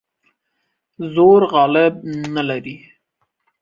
زور غالب نه لري.